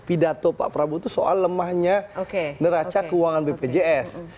pidato pak prabowo itu soal lemahnya neraca keuangan bpjs